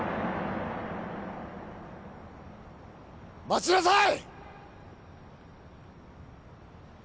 待ちなさい！